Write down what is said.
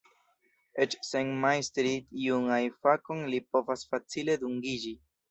Eĉ sen majstri iun ajn fakon li povas facile dungiĝi.